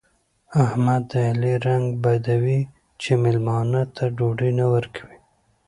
احمد د علي رنګ بدوي چې مېلمانه ته ډوډۍ نه ورکوي.